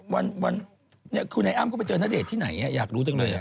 วันคุณไหนอ้ำก็ไปเจอณเดชน์ที่ไหนอ่ะอยากรู้จังเลยอ่ะ